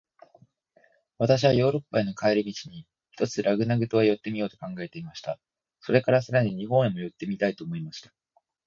私はヨーロッパへの帰り途に、ひとつラグナグ島へ寄ってみようと考えていました。それから、さらに日本へも寄ってみたいと思いました。